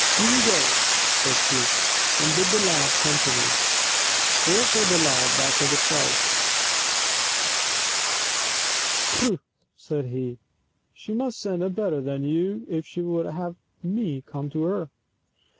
Do you go,'* said she, " and bid the lad come to me." There sat the lad back of the stove. " Prut !" said he, " she must send a better than you if she would have me come to her.